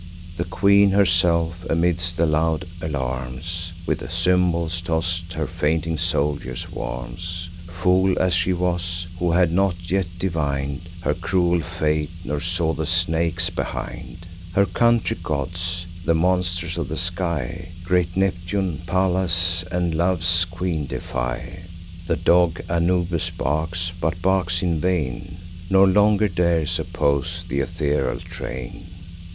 The queen herself, amidst the loud alarms, With cymbals toss'd her fainting soldiers warms— Fool as she was! who had not yet divin'd Her cruel fate, nor saw the snakes behind. Her country gods, the monsters of the sky, Great Neptune, Pallas, and Love's Queen defy: The dog Anubis barks, but barks in vain, Nor longer dares oppose th' ethereal train.